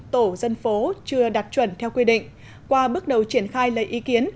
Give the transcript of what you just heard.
tổ dân phố chưa đạt chuẩn theo quy định qua bước đầu triển khai lấy ý kiến